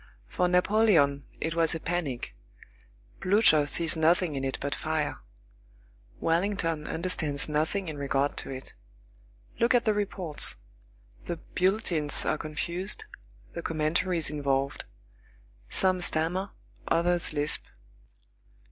For Napoleon it was a panic;10 Blücher sees nothing in it but fire; Wellington understands nothing in regard to it. Look at the reports. The bulletins are confused, the commentaries involved. Some stammer, others lisp.